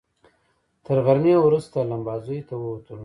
تر غرمې وروسته لمباځیو ته ووتلو.